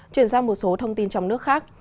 chuyển sang một số thông tin trong nước khác